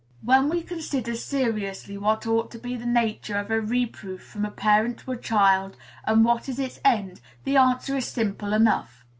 When we consider seriously what ought to be the nature of a reproof from a parent to a child, and what is its end, the answer is simple enough.